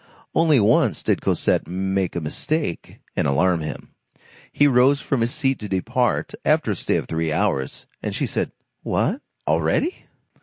Only once did Cosette make a mistake and alarm him. He rose from his seat to depart, after a stay of three hours, and she said: "What, already?"